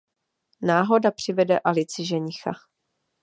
Náhoda přivede Alici ženicha.